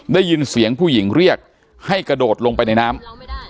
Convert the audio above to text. ได้ยินเสียงผู้หญิงเรียกให้กระโดดลงไปในน้ำ